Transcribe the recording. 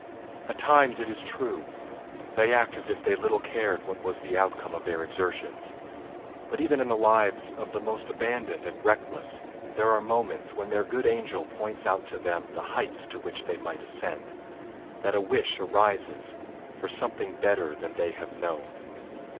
At times, it is true, they act as if they little cared what was the outcome of their exertions. But even in the lives of the most abandoned and reckless there are moments when their good angel points out to them the heights to which they might ascend, that a wish arises for "Something better than they have known."